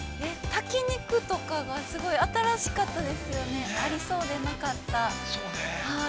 ◆炊き肉とかが、新しかったですよね、ありそうでなかったはい。